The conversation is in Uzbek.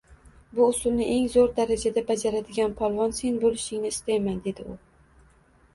Bu usulni eng zoʻr darajada bajaradigan polvon sen boʻlishingni istayman, dedi u